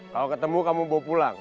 kalau ketemu kamu bawa pulang